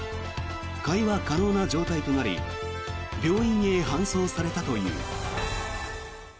会話可能な状態となり病院へ搬送されたという。